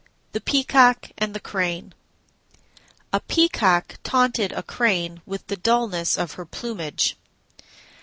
THE PEACOCK AND THE CRANE A Peacock taunted a Crane with the dullness of her plumage.